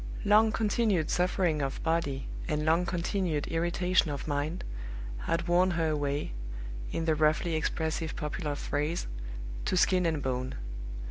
Long continued suffering of body and long continued irritation of mind had worn her away in the roughly expressive popular phrase to skin and bone.